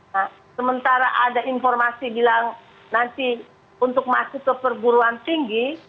nah sementara ada informasi bilang nanti untuk masuk ke perguruan tinggi